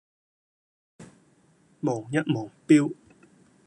望一望錶